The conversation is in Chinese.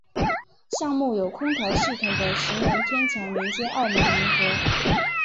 项目有空调系统的行人天桥连接澳门银河。